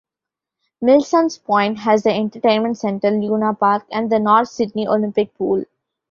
Milsons Point has the entertainment centre Luna Park and the North Sydney Olympic Pool.